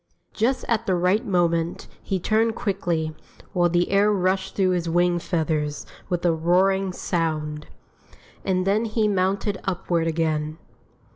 Just at the right moment he turned quickly, while the air rushed through his wing feathers with a roaring sound. And then he mounted upward again.